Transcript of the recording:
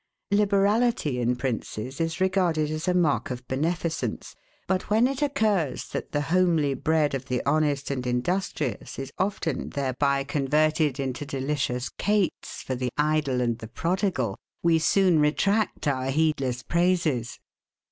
Liberality in princes is regarded as a mark of beneficence, but when it occurs, that the homely bread of the honest and industrious is often thereby converted into delicious cates for the idle and the prodigal, we soon retract our heedless praises.